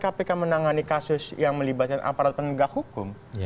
kpk menangani kasus yang melibatkan aparat penegak hukum